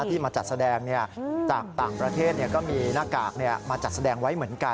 ที่มาจัดแสดงจากต่างประเทศก็มีหน้ากากมาจัดแสดงไว้เหมือนกัน